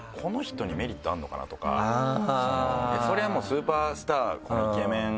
それはもうスーパースターイケメン俳優